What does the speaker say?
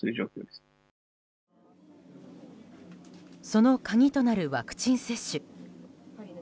その鍵となるワクチン接種。